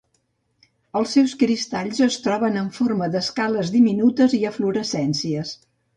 Els seus cristalls es troben en forma d'escales diminutes i eflorescències.